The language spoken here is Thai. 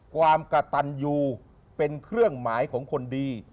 ความกระตันยูเป็นเครื่องหมายของคนดี